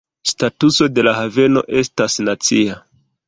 Statuso de la haveno estas "nacia".